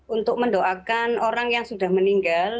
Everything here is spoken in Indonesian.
untuk mendoakan orang yang sudah meninggal